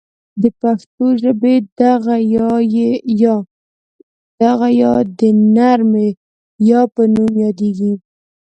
د پښتو ژبې دغه یا ی د نرمې یا په نوم یادیږي.